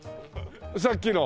さっきの。